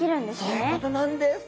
そういうことなんです。